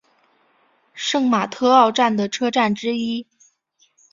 圣马特奥站的车站之一。